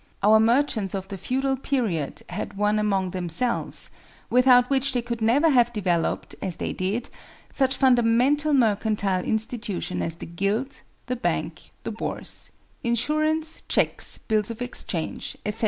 Our merchants of the feudal period had one among themselves, without which they could never have developed, as they did, such fundamental mercantile institutions as the guild, the bank, the bourse, insurance, checks, bills of exchange, etc.